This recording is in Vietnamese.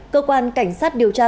cơ quan cảnh sát điều tra